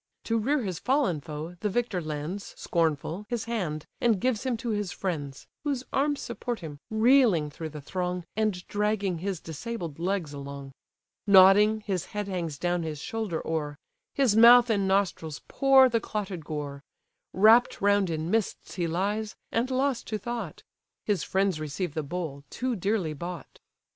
To rear his fallen foe, the victor lends, Scornful, his hand; and gives him to his friends; Whose arms support him, reeling through the throng, And dragging his disabled legs along; Nodding, his head hangs down his shoulder o'er; His mouth and nostrils pour the clotted gore; Wrapp'd round in mists he lies, and lost to thought; His friends receive the bowl, too dearly bought.